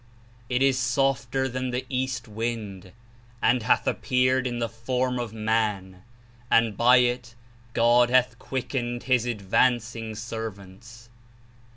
It is softer than the east wind, and hath appeared in the form of Man, and by it God hath quickened His advancing servants.